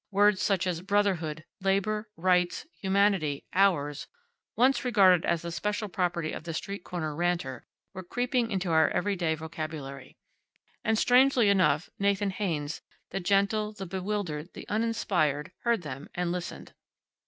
Words such as Brotherhood, Labor, Rights, Humanity, Hours, once regarded as the special property of the street corner ranter, were creeping into our everyday vocabulary. And strangely enough, Nathan Haynes, the gentle, the bewildered, the uninspired, heard them, and listened.